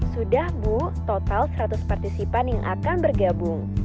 sudah bu total seratus partisipan yang akan bergabung